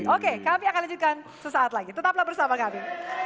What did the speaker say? oke kami akan lanjutkan sesaat lagi tetaplah bersama kami